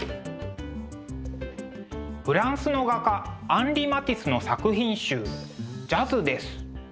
フランスの画家アンリ・マティスの作品集「ＪＡＺＺ」です。